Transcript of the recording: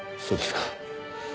そうですか。